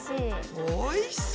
おいしそう！